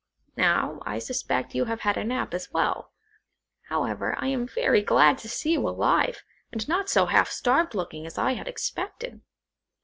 Now, I suspect you have had a nap, as well. However, I am very glad to see you alive, and not so half starved looking as I expected.